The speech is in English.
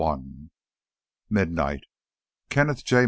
6 Midnight. Kenneth J.